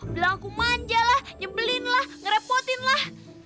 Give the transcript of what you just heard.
bilang aku manja lah nyebelin lah ngerepotin lah